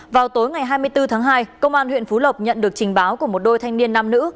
vào tối ngày hai mươi bốn tháng hai công an huyện phú lộc nhận được trình báo của một đôi thanh niên nam nữ